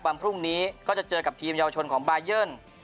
วันพรุ่งนี้ก็จะเจอกับทีมเยาวชนของบายัน